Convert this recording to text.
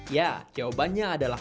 ya jawabannya adalah